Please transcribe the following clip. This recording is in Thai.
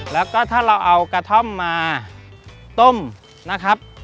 แล้วก็ถ้าเราเอากระท่อมมาต้มนะครับ